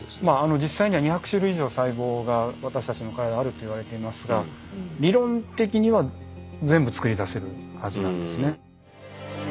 実際には２００種類以上細胞が私たちの体にあると言われていますが理論的には全部作り出せるはずなんですね。